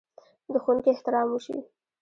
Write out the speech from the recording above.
د ښوونکي احترام وشي.